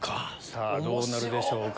さぁどうなるでしょうか？